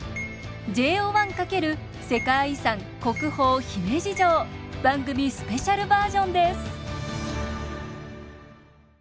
ＪＯ１×世界遺産国宝姫路城番組スペシャルバージョンです！